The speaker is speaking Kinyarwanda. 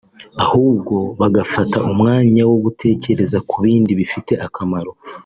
ahubwo bagafata umwanya wo gutekereza ku bindi bifite akamaro